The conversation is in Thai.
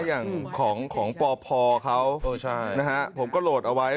อย่างของปพเขาผมก็โหลดเอาไว้